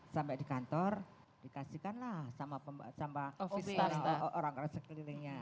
sampai di kantor dikasihkanlah sama orang orang sekelilingnya